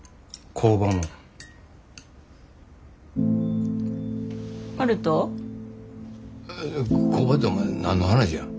工場てお前何の話や。